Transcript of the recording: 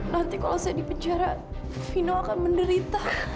nanti kalau saya di penjara vino akan menderita